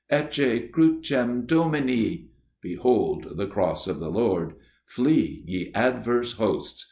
"' Ecce crucem Domini /Behold the Cross of the Lord ! Flee, ye adverse hosts